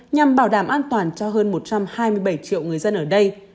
nhằm bảo đảm an toàn cho hơn một trăm hai mươi bảy triệu người dân ở đây